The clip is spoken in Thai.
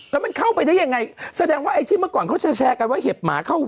แล้วมันเข้าไปได้ยังไงแสดงว่าไอ้ที่เมื่อก่อนเขาแชร์กันว่าเห็บหมาเข้า